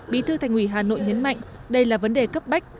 bí thư thành quỷ hà nội hiến mạnh đây là vấn đề cấp bách